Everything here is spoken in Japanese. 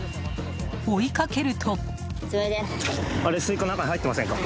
追いかけると。